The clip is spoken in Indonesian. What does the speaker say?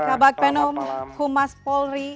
kabak penum humas polri